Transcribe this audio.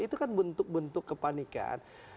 itu kan bentuk bentuk kepanikan